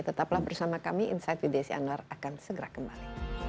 tetaplah bersama kami insight with desi anwar akan segera kembali